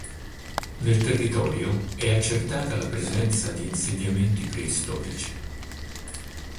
Nel territorio è accertata la presenza di insediamenti preistorici.